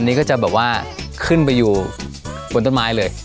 นี่ก็จะแบบว่าขึ้นไปอยู่บนต้นไม้เลย